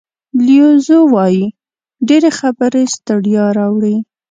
لیو زو وایي ډېرې خبرې ستړیا راوړي.